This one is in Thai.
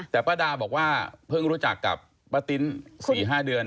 แต่ป้าดาบอกว่าเพิ่งรู้จักกับป้าติ้น๔๕เดือน